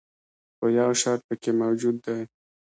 خو یو شرط پکې موجود دی.